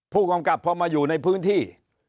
ผู้กำกับพอมาอยู่ในพื้นที่